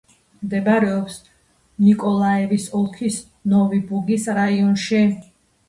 მდებარეობს ნიკოლაევის ოლქის ნოვი-ბუგის რაიონში.